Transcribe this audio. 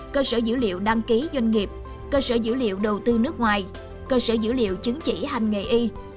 cơ sở dữ liệu đăng ký doanh nghiệp cơ sở dữ liệu đầu tư nước ngoài cơ sở dữ liệu chứng chỉ hành nghề y